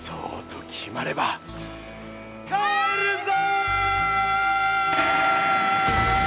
帰るぞ！